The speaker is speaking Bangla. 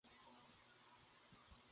তুই নাচছিস না কেন?